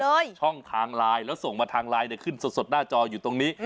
ช่องทางไลน์แล้วส่งมาทางไลน์เนี่ยขึ้นสดหน้าจออยู่ตรงนี้